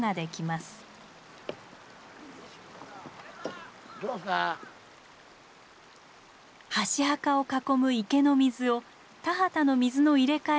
箸墓を囲む池の水を田畑の水の入れ替えのため抜きます。